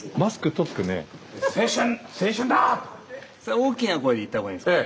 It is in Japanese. それ大きな声で言った方がいいんですか？